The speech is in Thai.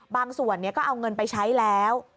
บางส่วนก็เอาเงินไปใช้แล้ว